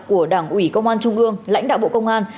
của đảng ủy công an trung ương lãnh đạo bộ công an